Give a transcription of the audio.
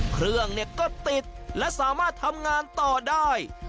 เครื่องก็ติดและสามารถทำงานต่อได้